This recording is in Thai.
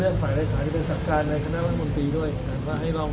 เรื่องฝ่ายรายขายเป็นสักการณ์ในคณะวัฒนบริมตรีด้วยอ่ะว่าให้ลอง